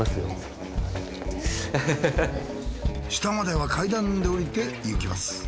下までは階段で下りていきます。